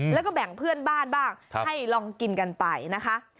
แล้วก็แบ่งเพื่อนบ้านบ้างให้ลองกินกันไปนะคะ